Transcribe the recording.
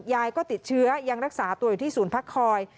ยายก็ติดเชื้อยังรักษาตัวอยู่ที่ภาคคอย